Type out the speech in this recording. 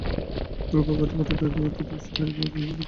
ধ্রুব কাঁধে মাথা রাখিয়া অত্যন্ত স্থির হইয়া পড়িয়া রহিল।